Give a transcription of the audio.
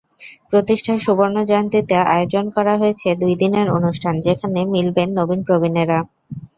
প্রতিষ্ঠার সুবর্ণজয়ন্তীতে আয়োজন করা হয়েছে দুই দিনের অনুষ্ঠান, যেখানে মিলবেন নবীন-প্রবীণেরা।